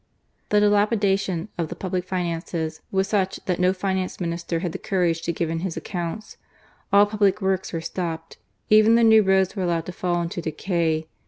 The dilapidation of the public finances was such that no Finance ECUADOR AFTER GARCIA MORENO. Minister had the courage to give in his accounts. All public works were stopped. Even the new roads were allowed to fall into decay.